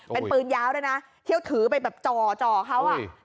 เป็นปืนยาวด้วยนะเที่ยวถือไปแบบจ่อเขาอ่ะ